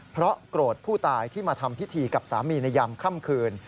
เพราะโกรธผู้ตายที่มาทำพิธีกับสามีในยามค่ำคืน